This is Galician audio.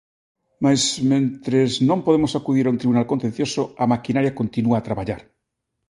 Mais mentres non podemos acudir a un tribunal contencioso, a maquinaria continúa a traballar.